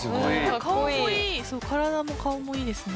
体も顔もいいですね。